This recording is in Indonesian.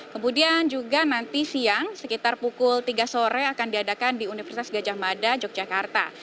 kemudian juga nanti siang sekitar pukul tiga sore akan diadakan di universitas gajah mada yogyakarta